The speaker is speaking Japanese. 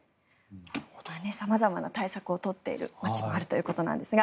様々な対策を取っている街もあるということですが。